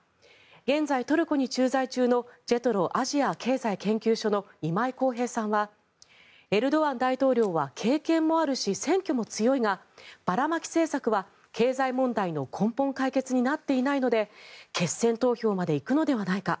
現在トルコに駐在中のジェトロ・アジア経済研究所の今井宏平さんはエルドアン大統領は経験もあるし選挙も強いがばらまき政策は経済問題の根本的解決になっていないので決選投票まで行くのではないか。